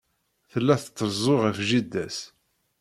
Tella trezzu ɣef jida-s.